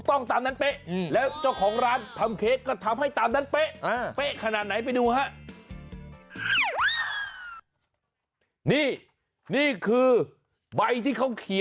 โอ้โฮถูก